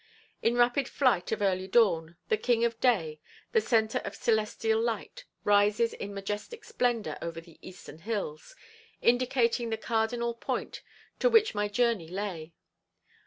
In rapid flight of early dawn, the king of day, the centre of celestial light, rises in majestic splendor over the eastern hills, indicating the cardinal point to which my journey lay.